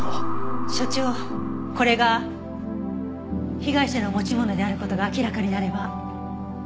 所長これが被害者の持ち物である事が明らかになれば。